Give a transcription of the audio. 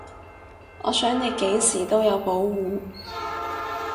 我想你幾時都有保護